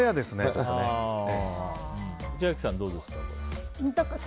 千秋さん、どうですか。